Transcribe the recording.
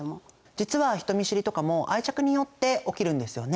実は人見知りとかも愛着によって起きるんですよね。